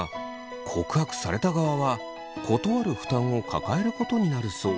告白された側は断る負担を抱えることになるそう。